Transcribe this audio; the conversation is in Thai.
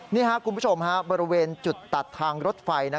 นี่ครับคุณผู้ชมบริเวณจุดตัดทางรถไฟ